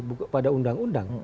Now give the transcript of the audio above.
bukan pada undang undang